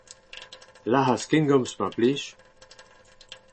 Lazh ar skingomz mar plij !